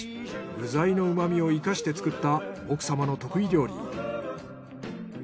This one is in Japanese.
具材のうまみを生かして作った奥様の得意料理。